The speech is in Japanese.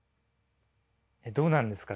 どうなんですかね。